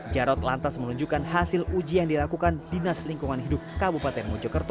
jarod lantas menunjukkan hasil uji yang dilakukan dinas lingkungan hidup kabupaten mojokerto